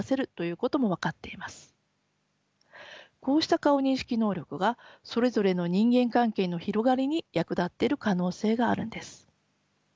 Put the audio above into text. こうした顔認識能力がそれぞれの人間関係の広がりに役立っている可能性があるんです。